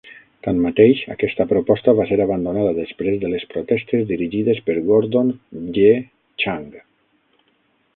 Tanmateix, aquesta proposta va ser abandonada després de les protestes dirigides per Gordon G. Chang.